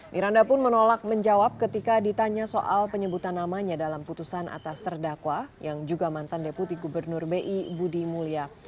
miranda pun menolak menjawab ketika ditanya soal penyebutan namanya dalam putusan atas terdakwa yang juga mantan deputi gubernur bi budi mulya